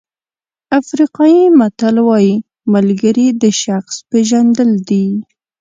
افریقایي متل وایي ملګري د شخص پېژندل دي.